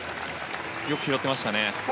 よく拾っていましたね。